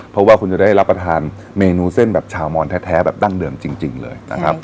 เพราะว่าคุณจะได้รับประทานเมนูเส้นแบบชาวมอนแท้แบบดั้งเดิมจริงเลยนะครับ